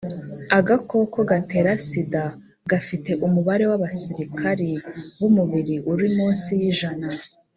agakoko gatera sida gafite umubare w abasirikari b umubiri uri munsi yi jana